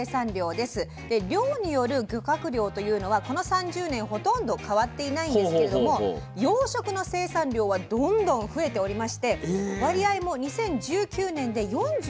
で漁による漁獲量というのはこの３０年ほとんど変わっていないんですけれども養殖の生産量はどんどん増えておりまして割合も２０１９年で４５％まで増えています。